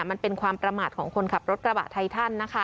มันเป็นความประมาทของคนขับรถกระบะไททันนะคะ